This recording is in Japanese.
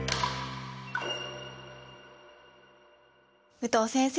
武藤先生。